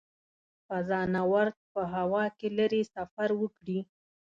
فضانورد په هوا کې لیرې سفر وکړي.